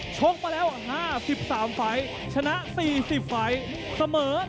ชกมาแล้ว๕๓ไฟล์ชนะ๔๐ไฟล์เสมอ